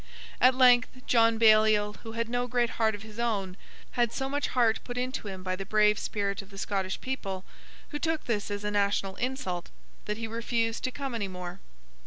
At length, John Baliol, who had no great heart of his own, had so much heart put into him by the brave spirit of the Scottish people, who took this as a national insult, that he refused to come any more.